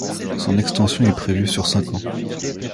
Son extension est prévue sur cinq ans.